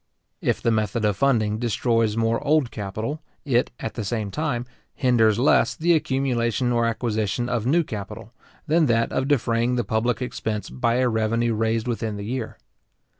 If the method of funding destroys more old capital, it, at the same time, hinders less the accumulation or acquisition of new capital, than that of defraying the public expense by a revenue raised within the year.